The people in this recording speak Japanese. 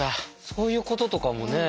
そういうこととかもね。